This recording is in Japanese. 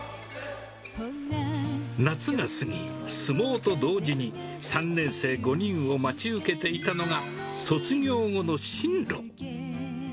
夏が過ぎ、相撲と同時に、３年生５人を待ち受けていたのが、卒業後の進路。